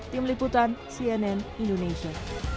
tim liputan cnn indonesia